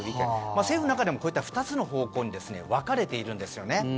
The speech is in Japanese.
政府の中でもこういった２つの方向に分かれているんですよね。